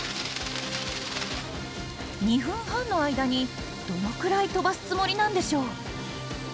２分半の間にどのくらい飛ばすつもりなんでしょう？